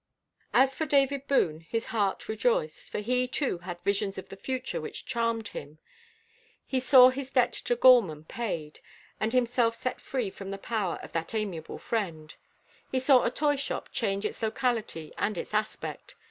As for David Boone; his heart rejoiced, for he, too, had visions of the future which charmed him. He saw his debt to Gorman paid, and himself set free from the power of that amiable friend. He saw a toyshop change its locality and its aspect.